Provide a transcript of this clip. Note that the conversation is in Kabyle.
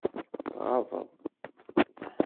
Tɣabeḍ.